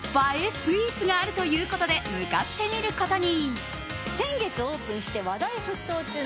スイーツがあるということで向かってみることに。